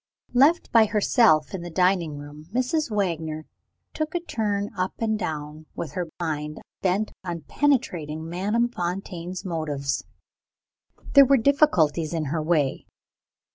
Left by herself in the dining room, Mrs. Wagner took a turn up and down, with her mind bent on penetrating Madame Fontaine's motives. There were difficulties in her way.